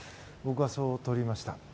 僕はそうとりました。